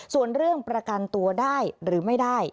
ส่วนเรื่องประกันตัวได้หรือไม่ได้